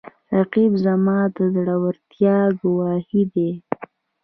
رقیب زما د زړورتیا ګواهي ده